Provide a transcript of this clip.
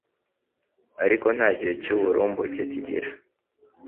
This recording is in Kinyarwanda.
ariko nta gihe cy'uburumbuke akigira